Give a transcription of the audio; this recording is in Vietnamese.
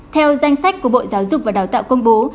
theo danh sách của bộ giáo dục và đào tạo công bố